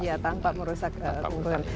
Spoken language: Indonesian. ya tanpa merusak keunggulan